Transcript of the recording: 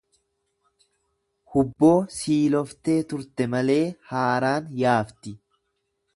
Hubboo siiloftee turte malee haaraan yaafti